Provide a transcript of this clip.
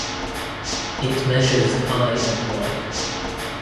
It measures high and wide.